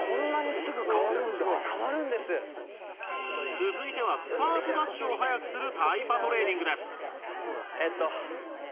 続いてはスタートダッシュを速くするタイパトレーニングです